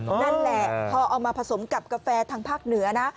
นั่นแหละพอเอามาผสมกับกาแฟทางภาคเหนือนะ